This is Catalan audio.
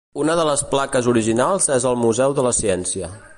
Una de les plaques originals és al Museu de la Ciència.